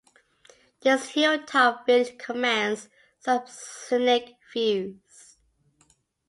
This hilltop village commands some scenic views.